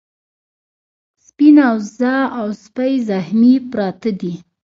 سپينه وزه او سپی زخمي پراته دي.